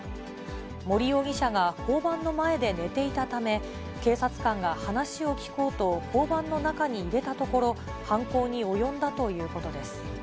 森容疑者が交番の前で寝ていたため、警察官が話を聞こうと交番の中に入れたところ、犯行に及んだということです。